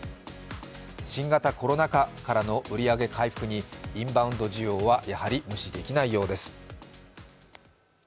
新型コロナ禍からの売り上げ回復にインバウンド需要はやはり無視できないようです。